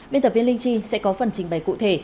biên tập viên linh chi sẽ có phần trình bày cụ thể